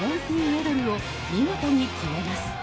ウェドルを見事に決めます。